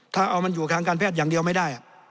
ถ้าเอามันอยู่ทางการแพทย์อย่างเดียวไม่ได้